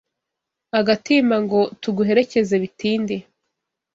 agatimba ngo tuguherekeze bitinde